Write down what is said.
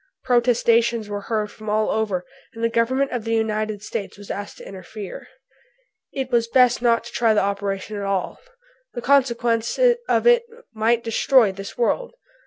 Protestations were heard from all over, and the Government of the United States was asked to interfere. "It was best not to try the operation at all." "The consequences of it might destroy this world."